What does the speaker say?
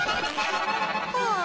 はあ。